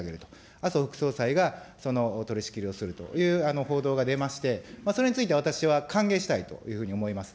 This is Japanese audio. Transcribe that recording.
麻生副総裁が、その取り仕切りをするという報道が出まして、それについて、私は歓迎したいというふうに思います。